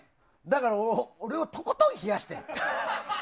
だから、俺をとことん冷やして！